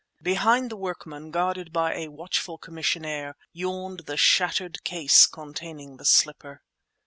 Behind the workmen, guarded by a watchful commissionaire, yawned the shattered case containing the slipper.